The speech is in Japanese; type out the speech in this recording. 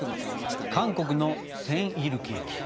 韓国のセンイルケーキ。